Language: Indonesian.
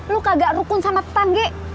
lu kagak rukun sama tetangge